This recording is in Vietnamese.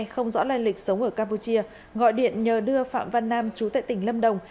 không rõ lai lịch sống ở campuchia gọi điện nhờ đưa phạm văn nam chú tại tỉnh lâm đồng